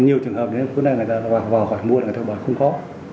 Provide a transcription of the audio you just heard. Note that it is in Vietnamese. nhiều trường hợp như thế này người ta vào khỏi mua thì người ta bảo không có